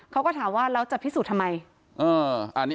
เขาก็ถามว่าแล้วจะพิสูจน์ทำไม